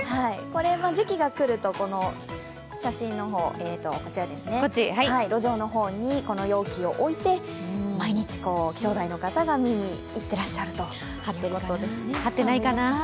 これも時期がくると、この写真の方、路上の方にこの容器を置いて、毎日気象台の方が見に行ってらっしゃるということなんですね。